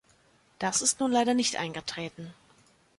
Das ist nun leider nicht eingetreten.